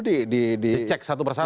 dicek satu persatu